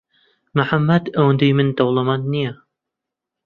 محەممەد ئەوەندی من دەوڵەمەند نییە.